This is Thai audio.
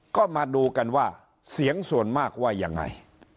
ก็มาดูกันว่าเสียงส่วนมากว่ายังไง